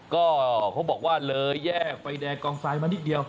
ก็เขาบอกว่าเลยแยกไฟแดงกองทรายมานิดเดียว